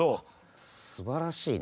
すばらしいね。